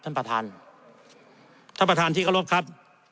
ท่านประธานท่านประธานที่เคารพครับ